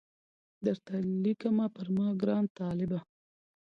درته لیکمه پر ما ګران طالبه